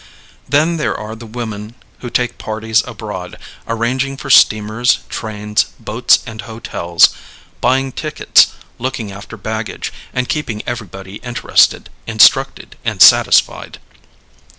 Then there are the women who take parties abroad, arranging for steamers, trains, boats and hotels; buying tickets; looking after baggage, and keeping everybody interested, instructed, and satisfied.